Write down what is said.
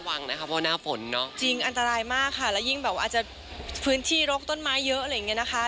อันตรายมากค่ะและพื้นที่หลกต้นไม้เยอะ